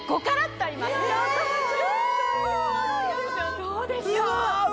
どうでしょう？